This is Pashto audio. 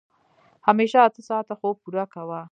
همېشه اته ساعته خوب پوره کوه.